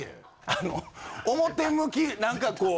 あの表向き何かこう。